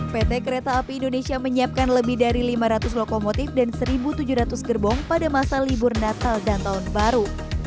pt kereta api indonesia menyiapkan lebih dari lima ratus lokomotif dan satu tujuh ratus gerbong pada masa libur natal dan tahun baru